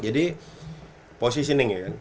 jadi positioning ya kan